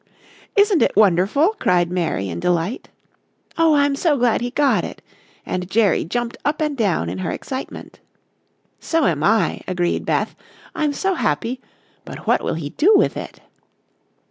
"Isn't it wonderful," cried Mary in delight. "Oh, I'm so glad he got it," and Jerry jumped up and down in her excitement. "So am I," agreed Beth, "I'm so happy. But what will he do with it?"